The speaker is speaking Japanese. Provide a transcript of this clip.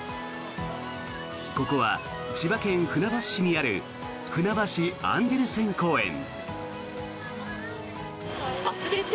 ここは千葉県船橋市にあるふなばしアンデルセン公園。